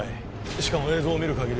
しかも映像を見るかぎり